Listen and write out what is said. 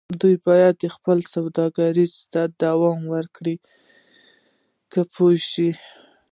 دوی بايد خپلو سوداګريو ته دوام ورکړي که يې پرېږدي.